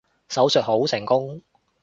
手術好成功